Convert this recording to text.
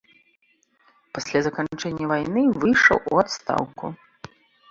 Пасля заканчэння вайны выйшаў у адстаўку.